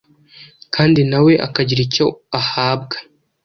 kandi na we akagira icyo ahabwa.